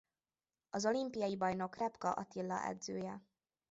Az olimpiai bajnok Repka Attila edzője.